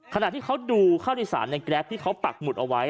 ขณะที่เขาดูข้าวโดยสารในแกรปที่เขาปักหมุดเอาไว้